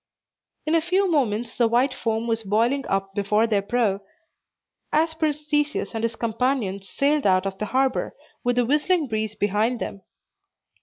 In a few moments the white foam was boiling up before their prow, as Prince Theseus and his companions sailed out of the harbor, with a whistling breeze behind them.